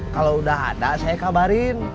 kalau udah ada saya kabarin